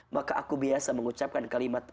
maka aku biasa mengucapkan kalimat